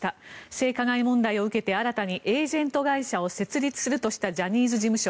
性加害問題を受けて、新たにエージェント会社を設立するとしたジャニーズ事務所。